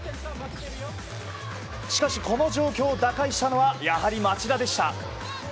しかし、この状況を打開したのはやはり町田でした。